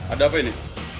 ada apa ini